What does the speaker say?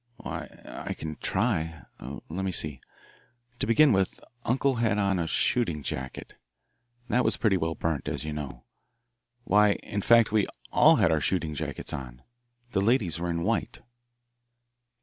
"Why, I can try. Let me see. To begin with, uncle had on a shooting jacket that was pretty well burnt, as you know. Why, in fact, we all had our shooting jackets on. The ladies were in white."